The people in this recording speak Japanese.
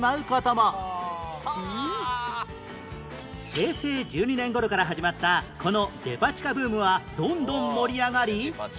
平成１２年頃から始まったこのデパ地下ブームはどんどん盛り上がり